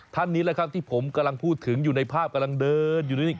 ท่านนี้แหละครับที่ผมกำลังพูดถึงอยู่ในภาพกำลังเดินอยู่นี่